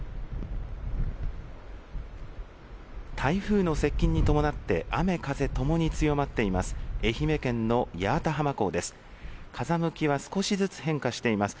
台風の接近に伴って雨、風ともに強まっています。